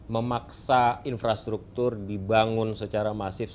memaksa infrastruktur dibangun secara masif